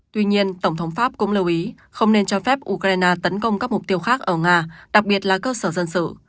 tuy nhiên tổng thống pháp cũng lưu ý không nên cho phép ukraine tấn công các mục tiêu khác ở nga đặc biệt là cơ sở dân sự